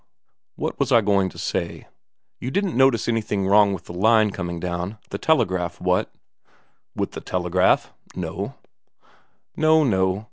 What was I going to say? You didn't notice anything wrong with the line coming down the telegraph, what?" "With the telegraph? No." "No, no